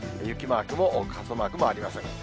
雪マークも傘マークもありません。